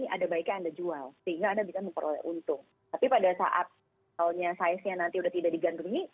tapi pada saat kalau size nya nanti sudah tidak digandungi